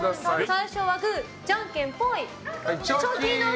最初はグー、じゃけんぽい。